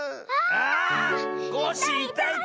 あコッシーいたいた。